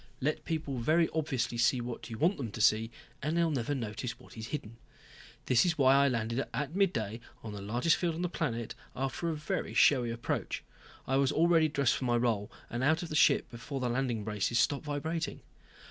Let people very obviously see what you want them to see, then they'll never notice what is hidden. This was why I landed at midday, on the largest field on the planet, after a very showy approach. I was already dressed for my role, and out of the ship before the landing braces stopped vibrating.